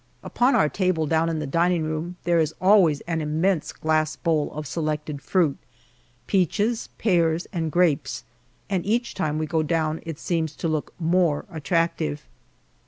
Upon our table down in the dining room there is always an immense glass bowl of selected fruit peaches, pears, and grapes, and each time we go down it seems to look more attractive.